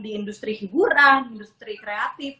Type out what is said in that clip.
di industri hiburan industri kreatif